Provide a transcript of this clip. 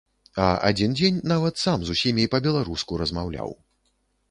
А адзін дзень нават сам з усімі па-беларуску размаўляў.